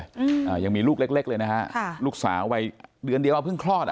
อ่ายังมีลูกเล็กเลยนะฮะลูกสาวัยเดือนเดียวเอาเพิ่งคลอดอ่ะ